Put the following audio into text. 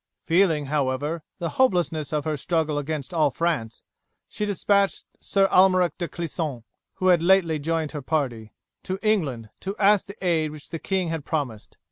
Feeling, however, the hopelessness of her struggle against all France, she despatched Sir Almeric de Clisson, who had lately joined her party, to England, to ask the aid which the king had promised.